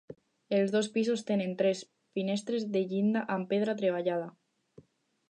Els dos pisos tenen tres finestres de llinda amb pedra treballada.